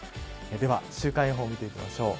では週間予報見ていきましょう。